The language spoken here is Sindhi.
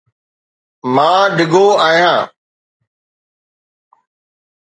مان ڊگهو آهيان.